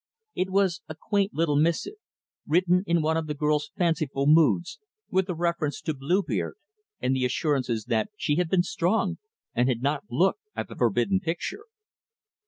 It was a quaint little missive; written in one of the girl's fanciful moods, with a reference to "Blue Beard," and the assurance that she had been strong and had not looked at the forbidden picture.